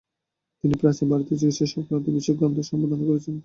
তিনি প্রাচীন ভারতে চিকিৎসা সংক্রান্ত বিষয়ক গ্রন্থের সম্পাদনা করেছেন।